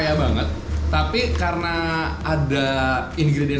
masukkan kembali milk crepes dan pastry cream